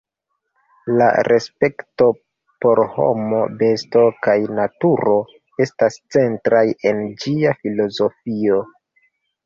La respekto por homo, besto kaj naturo estas centraj en ĝia filozofio.